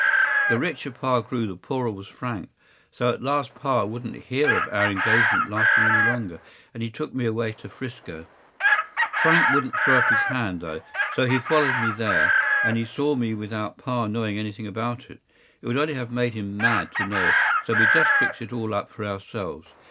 The richer pa grew, the poorer was Frank; so at last pa wouldn’t hear of our engagement lasting any longer, and he took me away to ’Frisco. Frank wouldn’t throw up his hand, though; so he followed me there, and he saw me without pa knowing anything about it. It would only have made him mad to know, so we just fixed it all up for ourselves.